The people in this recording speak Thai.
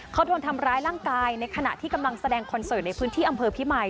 เขาโดนทำร้ายร่างกายในขณะที่กำลังแสดงคอนเสิร์ตในพื้นที่อำเภอพิมาย